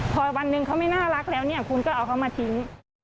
พอวันหนึ่งเขาไม่น่ารักแล้วเนี่ยคุณก็เอาเขามาทิ้ง